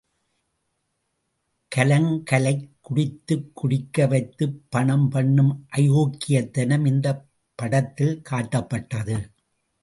கலங்கலைக் குடித்துக் குடிக்க வைத்துப் பணம் பண்ணும் அயோக்கியத்தனம் இந்தப் படத்தில் காட்டப்பட்டது.